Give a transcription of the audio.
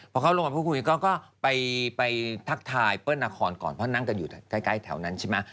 พอเขาลงมาพูดคุยก็ไปทักทายเปิ้ลนาคอนก่อนเพราะนั่งกันอยู่ใกล้แถวนั้นใช่ไหม